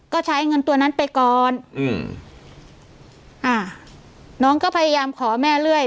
ก็ใช้เงินตัวนั้นไปก่อนอืมอ่าน้องก็พยายามขอแม่เรื่อย